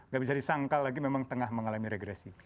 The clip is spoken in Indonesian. indonesia itu nggak bisa disangkal lagi memang tengah mengalami regresi